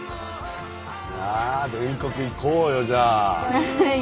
全国行こうよじゃあ。